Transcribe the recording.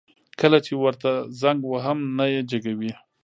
کله چي ورته زنګ وهم نه يي جګوي